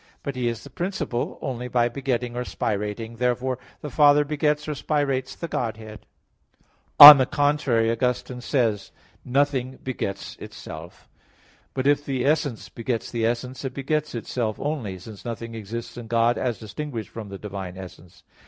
But He is principle only by begetting or spirating. Therefore the Father begets or spirates the Godhead. On the contrary, Augustine says (De Trin. i, 1): "Nothing begets itself." But if the essence begets the essence, it begets itself only, since nothing exists in God as distinguished from the divine essence.